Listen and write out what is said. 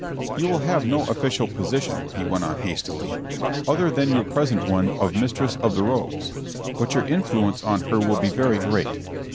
"You will have no official position," he went on hastily, "other than your present one of Mistress of the Robes; but your influence on her will be very great."